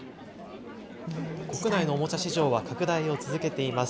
国内のおもちゃ市場は拡大を続けています。